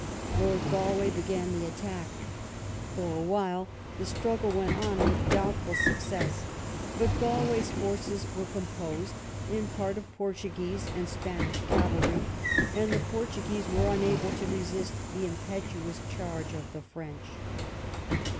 Lord Galway began the attack. For a while the strug gle went on with doubtful success, but Galway's forces were composed, in part, of Portuguese and Spanish cavalry, and the Portuguese were imable to resist the impetuous charge of the French.